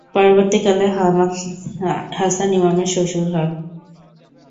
পরবর্তীকালে হাসান ইমামের শ্বশুর হন।